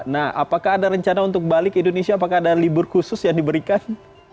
nah apakah ada rencana untuk balik ke indonesia apakah ada libur khusus yang diberikan